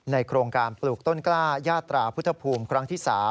โครงการปลูกต้นกล้ายาตราพุทธภูมิครั้งที่๓